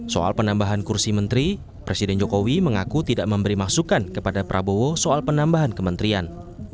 soal penambahan kursi menteri presiden jokowi mengaku tidak memberi masukan kepada prabowo soal penambahan kementerian